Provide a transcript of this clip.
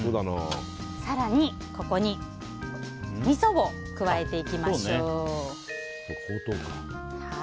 更に、ここにみそを加えていきましょう。